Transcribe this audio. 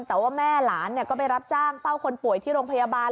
แต่ว่าแม่หลานก็ไปรับจ้างเฝ้าคนป่วยที่โรงพยาบาล